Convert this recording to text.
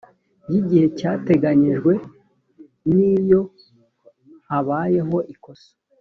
y igihe cyateganyijwe iyo habayeho ikosa